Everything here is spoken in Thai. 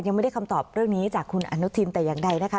ยังไม่ได้คำตอบเรื่องนี้จากคุณอนุทินแต่อย่างใดนะคะ